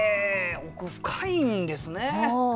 奥深いんですね。